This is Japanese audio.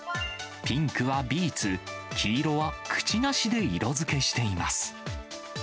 ピンクはビーツ、黄色はクチナシで色づけしています。